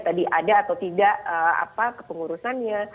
tadi ada atau tidak kepengurusannya